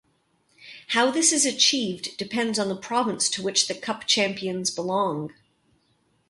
How this is achieved depends on the province to which the Cup champions belong.